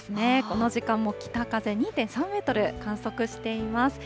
この時間も北風２．３メートル観測しています。